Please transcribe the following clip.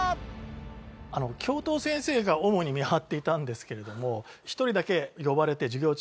教頭先生が主に見張っていたんですけれども１人だけ呼ばれて授業中に。